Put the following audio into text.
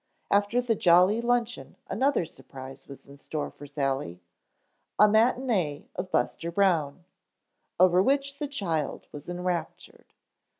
After the jolly luncheon another surprise was in store for Sally—a matinee of Buster Brown, over which the child was enraptured.